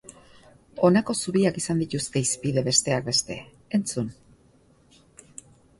Honako zubiak izan dituzte hizpide, besteak beste, entzun!